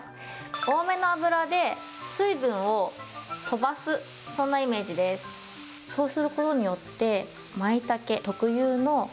多めの油で、水分を飛ばす、そんなイメージです。